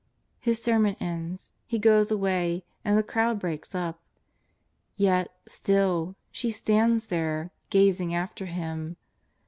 His sermon ended. He goes away, and the crowd breaks up. Yet, still, she stands there, gazing after Him.